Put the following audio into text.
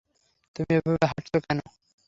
তুমি এভাবে হাঁটছ কেন?